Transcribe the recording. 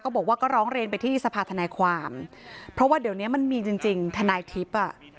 บอกว่าก็ร้องเรียนไปที่สภาธนายความเพราะว่าเดี๋ยวเนี้ยมันมีจริงจริงทนายทิพย์อ่ะ